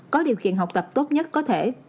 có điều kiện học tập tốt nhất có thể